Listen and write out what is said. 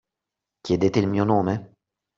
Chiedete il mio nome?